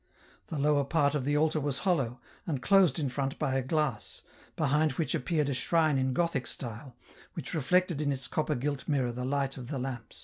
The lower part of the altar was hollow, and closed in front by a glass, behintl which appeared a shrine in Gothic style, which reflected in its copper gilt mirror the light of the lamps.